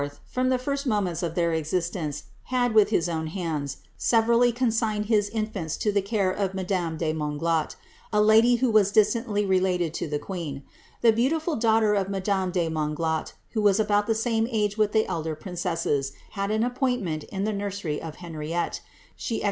from the first moments of their existence, had, with his own hands, severally consigned his infants to the care of madame de Monglat, a lady who was distantly related to the queen. The beautiful daughter of madame de Monglat, who was about the same age with the elder princesses, had an appointment in the nursery of Henriette; she * Memoirs of the Life and Death of Henrietta Maria, queen of Charles I.